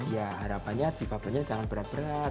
ya harapannya defabelnya jangan berat berat